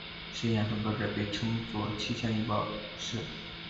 试验合格者被称作气象预报士。